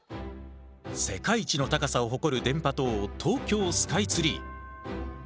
世界一の高さを誇る電波塔東京スカイツリー。